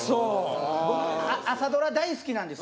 僕朝ドラ大好きなんです。